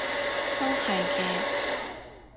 都係嘅